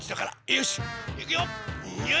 よしいくよ！